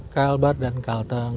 kalbar dan kalteng